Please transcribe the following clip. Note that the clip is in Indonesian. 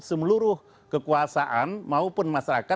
semeluruh kekuasaan maupun masyarakat